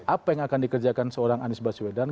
apa yang akan dikerjakan seorang anies baswedan